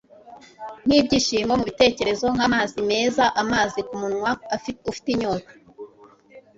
Nkibyishimo mubitekerezo nkamazi mezaamazi kumunwa ufite inyota